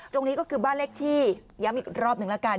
ตรงนี้ก็คือบ้านเลขที่ย้ำอีกรอบหนึ่งแล้วกัน